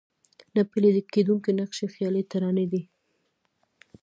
نه پلي کېدونکي نقشې خيالي ترانې دي.